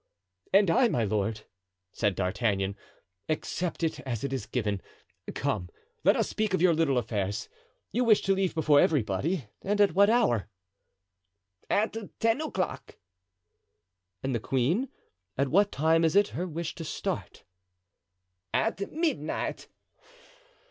"And I, my lord," said D'Artagnan, "accept it as it is given. Come, let us speak of your little affairs. You wish to leave before everybody and at what hour?" "At ten o'clock." "And the queen, at what time is it her wish to start?" "At midnight."